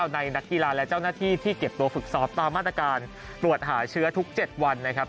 นักกีฬาและเจ้าหน้าที่ที่เก็บตัวฝึกซ้อมตามมาตรการตรวจหาเชื้อทุก๗วันนะครับ